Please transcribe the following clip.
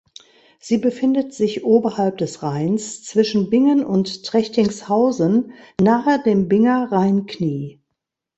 Sie befindet sich oberhalb des Rheins zwischen Bingen und Trechtingshausen nahe dem Binger Rheinknie.